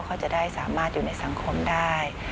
เขาจะได้สามารถอยู่ในสังคมได้